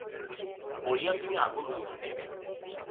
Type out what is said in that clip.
পড়িয়া তিনি আগুন হইয়া উঠিলেন।